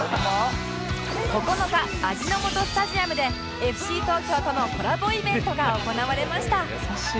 ９日味の素スタジアムで ＦＣ 東京とのコラボイベントが行われました